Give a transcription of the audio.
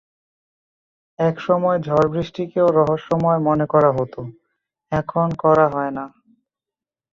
একসময় ঝড়-বৃষ্টিকেও রহস্যময় মনে করা হত, এখন করা হয় না।